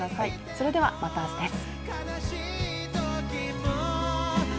それではまた明日です。